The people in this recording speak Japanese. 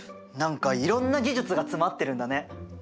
何かいろんな技術が詰まってるんだね。